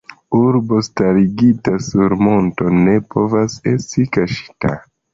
Urbo starigita sur monto ne povas esti kaŝita.